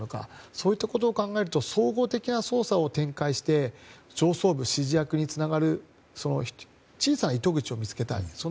そういうところを考えると総合的な捜査を展開して上層部、指示役につながる小さな糸口を見つけたい。